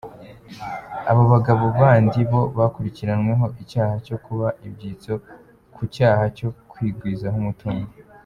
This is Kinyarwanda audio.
Abo bagabo bandi bo bakurikiranweho icyaha cyo kuba ibyitso ku cyaha cyo kwigwizaho umutungo.